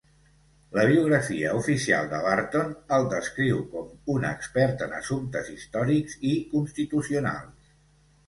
La biografia oficial de Barton el descriu com "un expert en assumptes històrics i constitucionals".